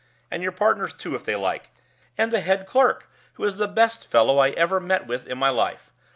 And your partners, too, if they like. And the head clerk, who is the best fellow I ever met with in my life.